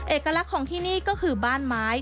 เอกลักษณ์ของที่นี่ก็คือบ้านไม้